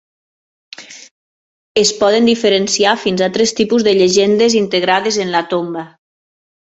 Es poden diferenciar fins a tres tipus de llegendes integrades en la tomba.